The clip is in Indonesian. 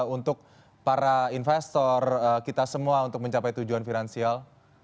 untuk para investor kita semua untuk mencapai tujuan finansial